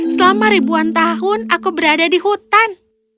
selama ribuan tahun aku berada di hutan